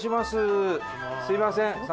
すみません。